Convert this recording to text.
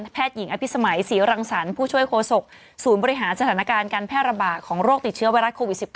หญิงอภิษมัยศรีรังสรรค์ผู้ช่วยโคศกศูนย์บริหารสถานการณ์การแพร่ระบาดของโรคติดเชื้อไวรัสโควิด๑๙